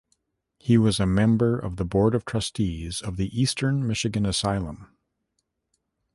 He was a member of the board of trustees of the Eastern Michigan Asylum.